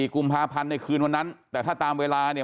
กุมภาพันธ์ในคืนวันนั้นแต่ถ้าตามเวลาเนี่ย